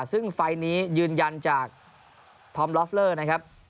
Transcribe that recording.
ซึ่งไฟล์นี้ยืนยันจากธอมลอฟเลอร์นะครับ